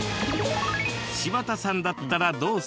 柴田さんだったらどうする？